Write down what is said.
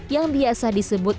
yang biasa disebut